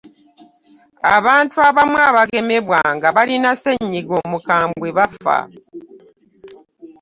abantu abamu abaagemebwa nga balina ssenyiga omukambwe baafa.